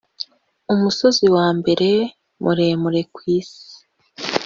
umusozi wa mbere muremure ku isi